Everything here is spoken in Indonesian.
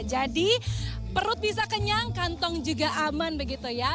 jadi perut bisa kenyang kantong juga aman begitu ya